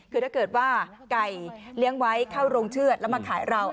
คือถ้าเกิดว่าไก่เลี้ยงไว้เข้าโรงเชือดแล้วมาขายเรา